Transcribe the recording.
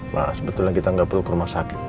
mas sebetulnya kita gak perlu ke rumah sakit ma